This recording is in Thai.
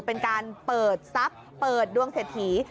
เป็นการเปิดทรัพย์เปิดดวงเศรษฐี